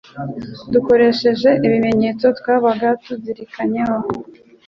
dukoresheje ibimenyetso twabaga tuziranyeho